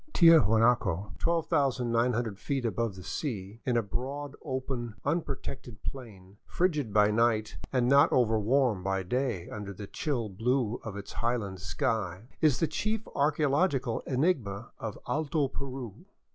Tiahuanaco, 12,900 feet above the sea, in a broad, open, unpro tected plain, frigid by night, and not over warm by day under the chill blue of its highland sky, is the chief archeological enigma of " Alto Peru."